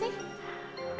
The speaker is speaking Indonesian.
loh kok bisa gitu sih